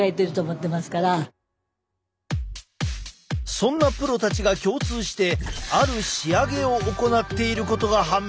そんなプロたちが共通してある仕上げを行っていることが判明！